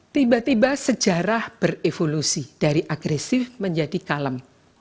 tiba tiba sejarah berevolusi dari agresif menjadi kalem